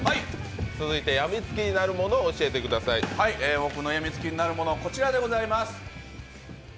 僕のやみつきになるものは、こちらでございます。